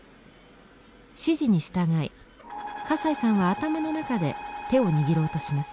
指示に従い笠井さんは頭の中で手を握ろうとします。